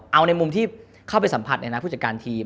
เอาในมุมที่เข้าไปสัมผัสผู้จัดการทีม